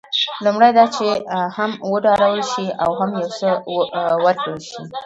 لومړی دا چې هم وډارول شي او هم یو څه ورکړل شي.